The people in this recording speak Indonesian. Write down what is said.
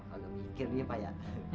agak pikir dia pak ya